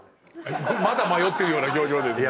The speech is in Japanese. まだ迷ってるような表情ですけども。